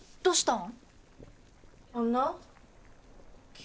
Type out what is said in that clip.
どうしたん？